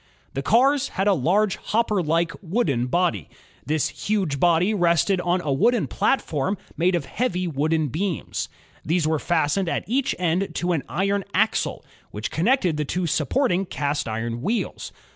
The cars had a large hopper like, wooden body. This huge body rested on a wooden platform made of heavy wooden beams. These were fastened at each end to an iron axle, which connected the two supporting cast iron wheels.